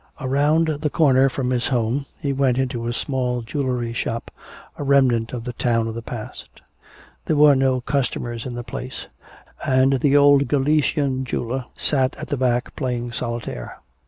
Around the corner from his home, he went into a small jewelry shop, a remnant of the town of the past. There were no customers in the place, and the old Galician jeweler sat at the back playing solitaire.